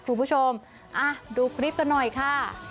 คุณผู้ชมดูคลิปกันหน่อยค่ะ